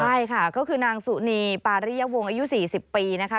ใช่ค่ะก็คือนางสุนีปาริยวงอายุ๔๐ปีนะคะ